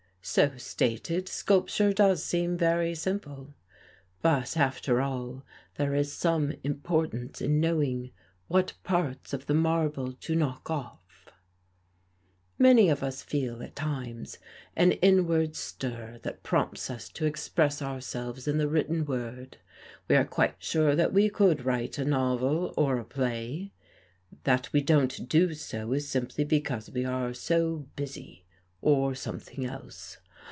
So stated, sculpture does seem very simple. But, after all, there is some importance in knowing what parts of the marble to knock off. Many of us feel, at times, an inward stir that prompts us to express ourselves in the written word. We are quite sure that we could write a novel or a play. That we don't do so is simply because we are so busy or something else.